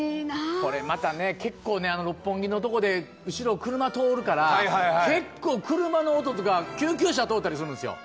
これ、またね、結構六本木のとこで、後ろ車通るから、結構車の音とか、救急車が通ったりするんですよ。